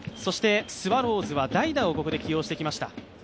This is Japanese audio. スワローズは代打をここで起用してきました。